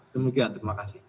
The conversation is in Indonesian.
demikian terima kasih